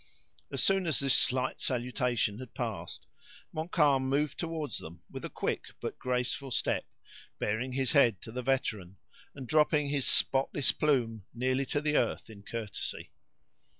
As soon as this slight salutation had passed, Montcalm moved toward them with a quick but graceful step, baring his head to the veteran, and dropping his spotless plume nearly to the earth in courtesy.